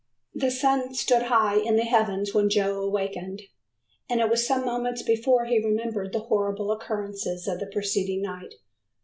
The sun stood high in the heavens when Joe awakened, and it was some moments before he remembered the horrible occurrences of the preceding night.